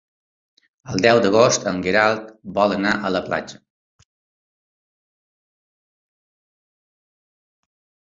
El deu d'agost en Guerau vol anar a la platja.